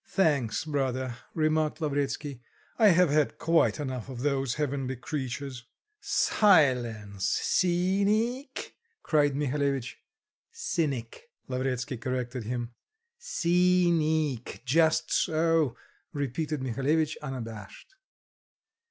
"Thanks, brother," remarked Lavretsky. "I have had quite enough of those heavenly creatures." "Silence, ceeneec!" cried Mihalevitch. "Cynic," Lavretsky corrected him. "Ceeneec, just so," repeated Mihalevitch unabashed.